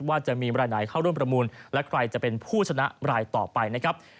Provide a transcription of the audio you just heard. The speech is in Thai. ว่าจะมีรายไหนเข้าร่วมประมูลและใครจะเป็นผู้ชนะรายต่อไปนะครับ